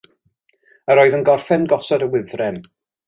Yr oedd yn gorffen gosod y wifren.